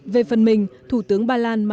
về phần mình thủ tướng bà lan